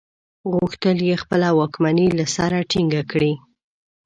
غوښتل یې خپله واکمني له سره ټینګه کړي.